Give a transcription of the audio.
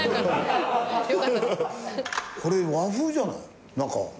これ和風じゃない中。